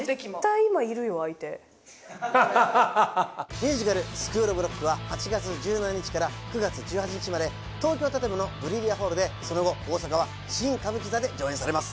ミュージカル『スクールオブロック』は８月１７日から９月１８日まで東京建物ＢｒｉｌｌｉａＨＡＬＬでその後大阪は新歌舞伎座で上演されます。